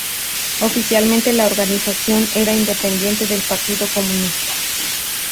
Oficialmente, la organización era independiente del partido comunista.